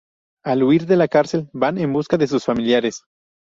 Al huir de la cárcel, van en busca de sus familiares.